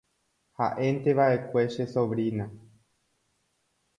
ha'énteva'ekue che sobrina